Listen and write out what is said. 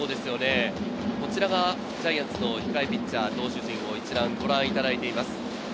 こちらがジャイアンツの控えピッチャー、投手陣をこちらご覧いただいています。